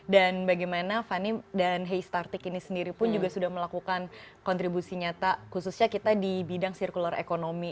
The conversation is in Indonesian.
dan bagaimana fanny dan heystartik ini sendiri pun juga sudah melakukan kontribusi nyata khususnya kita di bidang sirkuler ekonomi